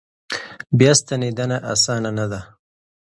بیا ستنېدنه اسانه نه ده.